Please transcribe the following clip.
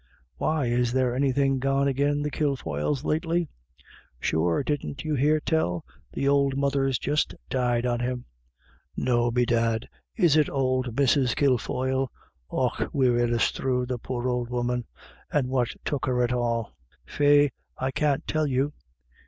u Why, is there anything gone agin the Kilfoyles lately ?"" Sure, didn't you hear tell ? The ould mother's just died on him. 1 '" No, bedad. Is it ould Mrs. Kilfoyle ? Och, wirrasthrew, the poor ould woman. And what took her at all ?" u Faix, I can't tell you.